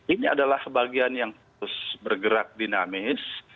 ini adalah bagian yang harus bergerak dinamis